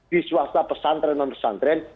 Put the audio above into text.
di swasta pesantren non pesantren